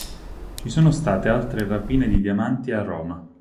Ci sono state altre rapine di diamanti a Roma.